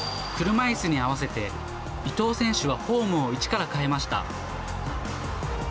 車いすに合わせて、伊藤選手はフォームを一から変えました。